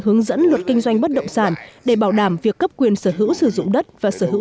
hướng dẫn luật kinh doanh bất động sản để bảo đảm việc cấp quyền sở hữu sử dụng đất và sở hữu